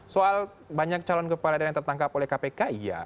soal banyak calon kepala daerah yang tertangkap oleh kpk iya